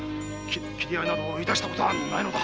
斬り合いなどいたしたことはないのだ。